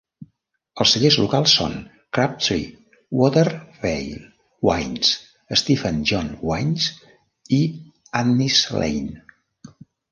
Els cellers locals són Crabtree Watervale Wines, Stephen John Wines i Annie's Lane.